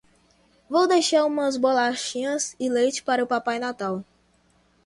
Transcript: Vou deixar umas bolachinhas e leite para o Pai Natal.